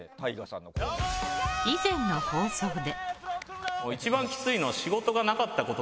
以前の放送で。